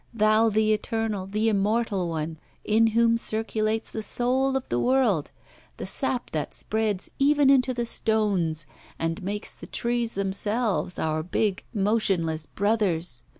thou the eternal, the immortal one, in whom circulates the soul of the world, the sap that spreads even into the stones, and makes the trees themselves our big, motionless brothers!